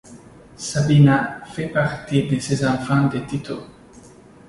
Sabina fait partie de ces enfants de Tito.